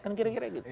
kan kira kira gitu